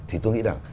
thì tôi nghĩ rằng